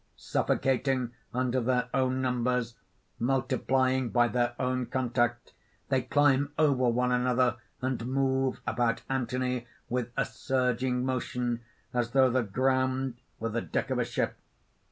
_ _Suffocating under their own numbers, multiplying by their own contact, they climb over one another; and move about Anthony with a surging motion as though the ground were the deck of a ship.